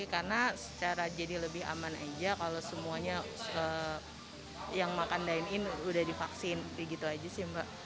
karena secara jadi lebih aman aja kalau semuanya yang makan dainin udah divaksin gitu aja sih mbak